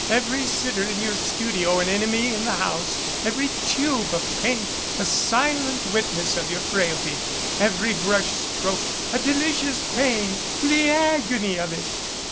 Every sitter in your studio an enemy in the house every tube of paint a silent . witness of your frailty every brush stroke a delicious pain the agony of it!"